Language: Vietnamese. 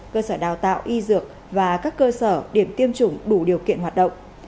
cơ sở đào tạo y dược và các cơ sở điểm tiêm chủng đủ điều kiện hoạt động